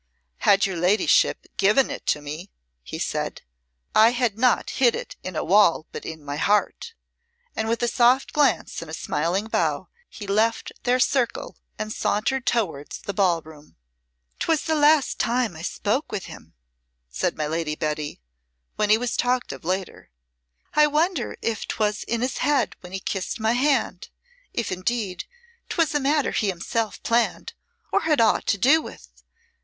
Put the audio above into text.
"Had your ladyship given it to me," he said, "I had not hid it in a wall, but in my heart." And with a soft glance and a smiling bow he left their circle and sauntered towards the ball room. "'Twas the last time I spoke with him," said my Lady Betty, when he was talked of later. "I wonder if 'twas in his head when he kissed my hand if indeed 'twas a matter he himself planned or had aught to do with.